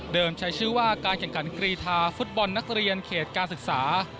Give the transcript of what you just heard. ใช้ชื่อว่าการแข่งขันกรีธาฟุตบอลนักเรียนเขตการศึกษา